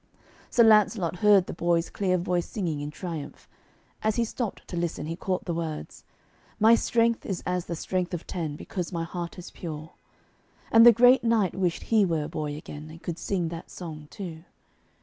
Sir Lancelot heard the boy's clear voice singing in triumph. As he stopped to listen, he caught the words, 'My strength is as the strength of ten, Because my heart is pure,' and the great knight wished he were a boy again, and could sing that song too.